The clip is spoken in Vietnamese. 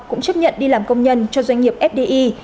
cũng chấp nhận đi làm công nhân cho doanh nghiệp fdi